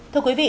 thưa quý vị